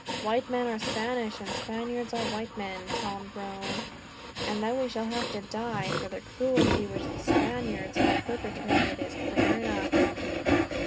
"White men are Spaniards, and Spaniards are white men," Tom groaned, "and that we shall have to die, for the cruelty which the Spaniards have perpetrated, is clear enough.